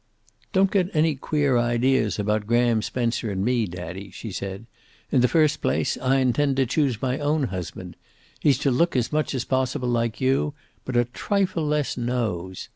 "Don't get any queer ideas about Graham Spencer and me, Daddy," she said. "In the first place, I intend to choose my own husband. He's to look as much as possible like you, but a trifle less nose.